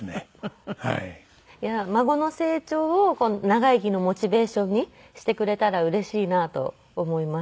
孫の成長を長生きのモチベーションにしてくれたらうれしいなと思います。